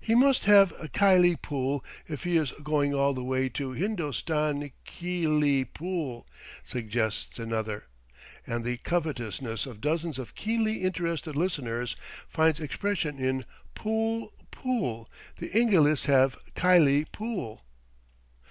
"He must have khylie pool if he is going all the way to Hindostan k h y lie pool!" suggests another; and the coveteousness of dozens of keenly interested listeners finds expression in "Pool, pool; the Ingilis have khylie pool."